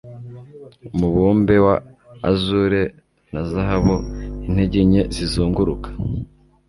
Umubumbe wa azure na zahabu intege nke zizunguruka